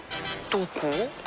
どこ？